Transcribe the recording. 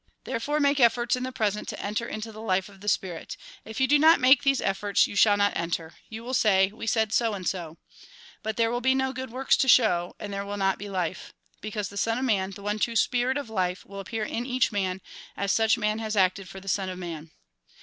" Therefore make efforts in the present to enter into the life of the spirit. If you do not make these efforts you shall not enter. You will say :' We said so and so.' But there will be no good works to show, and there will not be life. Because the Son of Man, the one true spirit of life, will appear in each man, as such man has acted for the Son of Man.